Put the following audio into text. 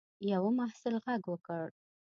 یوه محصل غږ وکړ.